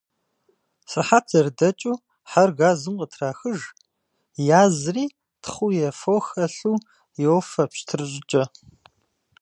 Сыхьэт зэрыдэкӏыу, хьэр газым къытрахыж, язри, тхъу е фо хэлъу йофэ пщтыр щӏыкӏэ.